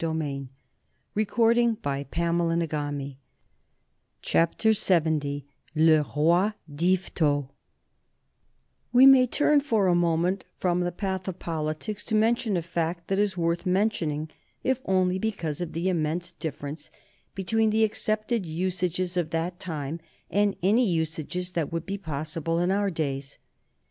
LE ROI D'YVETOT. [Sidenote: 1830 37 Eccentricities of William the Fourth] We may turn for a moment from the path of politics to mention a fact that is worth mentioning, if only because of the immense difference between the accepted usages of that time and any usages that would be possible in our days.